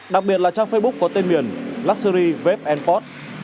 đặc biệt là trang facebook có tên miền luxury web pod